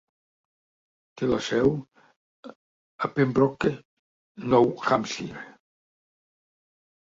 Té la seu a Pembroke, Nou Hampshire.